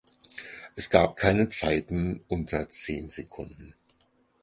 Es gab keine Zeiten unter zehn Sekunden.